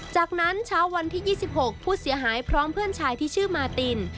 จากนั้นเช้าวันที่๒๖ผู้เสียหายพร้อมเพื่อนชายที่ชื่อมาติน